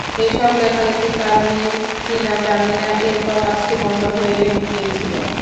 এসব লেখালেখির কারণেই কিনা জানি না, এরপর কাজটি বন্ধ হয়ে গিয়েছিল।